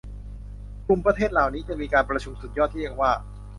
กลุ่มประเทศเหล่านี้จะมีการประชุมสุดยอดที่เรียกว่า